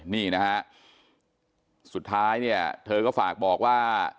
นี่นะฮะสุดท้ายเนี่ยเธอก็ฝากบอกว่า